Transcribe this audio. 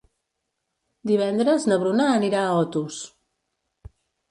Divendres na Bruna anirà a Otos.